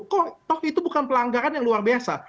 kok toh itu bukan pelanggaran yang luar biasa